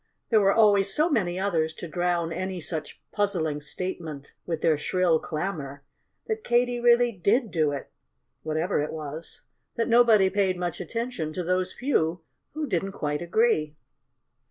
_ However, there were always so many others to drown any such puzzling statement with their shrill clamor that Katy really did do it (whatever it was!) that nobody paid much attention to those few who didn't quite agree.